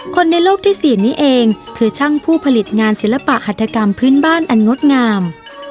คนในโลกที่๔นี้เองคือช่างผู้ผลิตงานศิลปะหัตถกรรมพื้นบ้านอันงดงาม